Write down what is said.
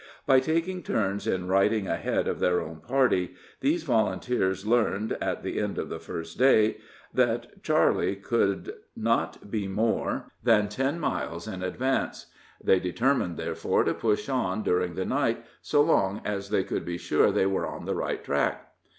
By taking turns in riding ahead of their own party, these volunteers learned, at the end of the first day, that Charley could not be more than ten miles in advance. They determined, therefore, to push on during the night, so long as they could be sure they were on the right track.